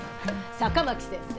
坂巻先生。